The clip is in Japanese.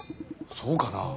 そうかなあ？